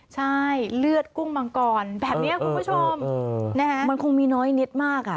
ใช่เลือดกุ้งมังกรแบบนี้คุณผู้ชมมันคงมีน้อยนิดมากอ่ะ